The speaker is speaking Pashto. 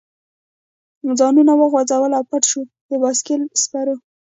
ځانونه وغورځول او پټ شو، د بایسکل سپرو.